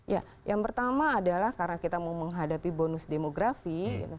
ya yang pertama adalah karena kita mau menghadapi bonus demografi